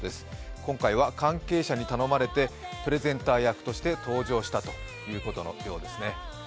今回は関係者に頼まれてプレゼンター役として登場したということのようですね。